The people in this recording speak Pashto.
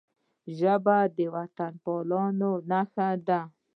ژبه د وطنپالنې نښه ده